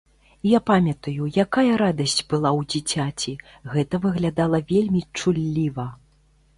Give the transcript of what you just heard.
Я памятаю, якая радасць была ў дзіцяці, гэта выглядала вельмі чулліва.